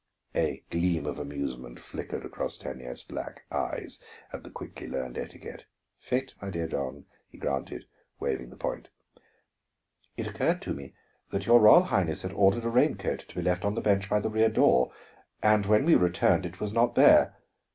A gleam of amusement flickered across Stanief's black eyes at the quickly learned etiquette. "Faîtes, my dear John," he granted, waiving the point. "It occurred to me that your Royal Highness had ordered a rain coat to be left on the bench by the rear door, and when we returned it was not there.